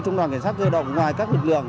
trung đoàn cảnh sát cơ động ngoài các lực lượng